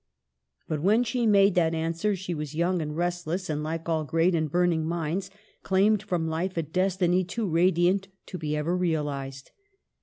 But when she made that answer she was young and restless, &nd, like all great and burning minds, claimed from life a destiny too radiiht to be ever realized.